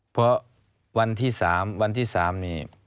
เพราะวันที่๓วันที่๓นี่